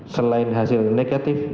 selain hasil negatif